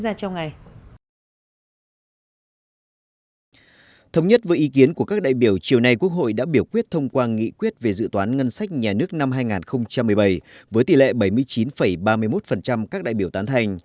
thống nhất với ý kiến của các đại biểu chiều nay quốc hội đã biểu quyết thông qua nghị quyết về dự toán ngân sách nhà nước năm hai nghìn một mươi bảy với tỷ lệ bảy mươi chín ba mươi một các đại biểu tán thành